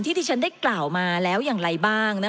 ที่ที่ฉันได้กล่าวมาแล้วอย่างไรบ้าง